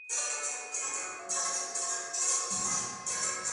Principales amenazas actuales y potenciales.